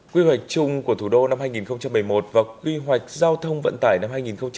quy hoạch chung của thủ đô năm hai nghìn một mươi một và quy hoạch giao thông vận tải năm hai nghìn một mươi tám